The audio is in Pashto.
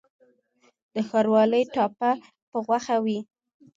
د ښاروالۍ ټاپه په غوښه وي؟